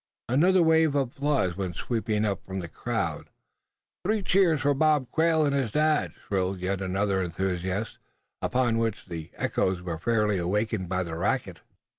Another wave of applause went sweeping up from the crowd. "Three cheers for Bob Quail, and his dad!" shrilled yet another enthusiast; upon which the echoes were fairly awakened by the racket.